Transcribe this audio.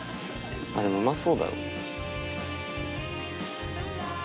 あっでもうまそうだよ。